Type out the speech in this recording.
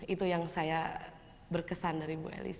itu yang saya berkesan dari bu elis